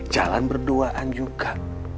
jalan berduaan juga